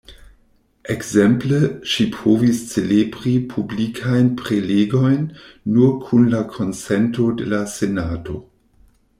Ekzemple, ŝi povis celebri publikajn prelegojn nur kun la konsento de la Senato.